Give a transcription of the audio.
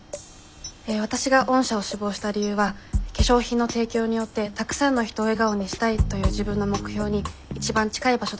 えわたしが御社を志望した理由は化粧品の提供によってたくさんの人を笑顔にしたいという自分の目標に一番近い場所だと思ったからです。